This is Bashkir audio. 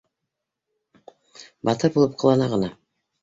Батыр булып ҡылана ғына